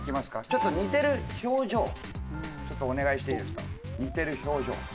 ちょっと似てる表情ちょっとお願いしていいですか似てる表情。